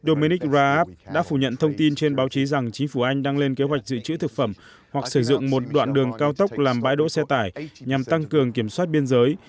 dominic raab đã phủ nhận thông tin trên báo chí rằng chính phủ anh đang lên kế hoạch dự trữ thực phẩm hoặc sử dụng một đoạn đường cao tốc làm bãi đỗ xe tải nhằm tăng cường kiểm soát biên giới